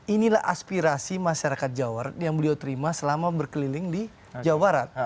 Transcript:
inilah aspirasi masyarakat jawa yang beliau terima selama berkeliling di jawa barat